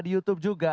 di youtube juga